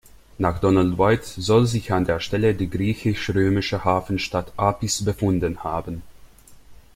Nach Donald White soll sich an der Stelle die griechisch-römische Hafenstadt Apis befunden haben.